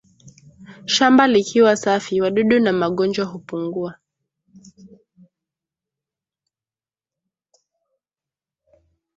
shamba likiwa safi wadudu na magonjwa hupungua